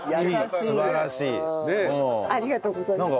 ありがとうございます。